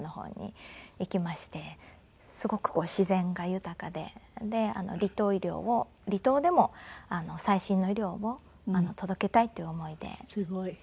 すごく自然が豊かでで離島医療を離島でも最新の医療を届けたいっていう思いで行ったみたいです。